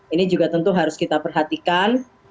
ini juga tentu harus kita perhatikan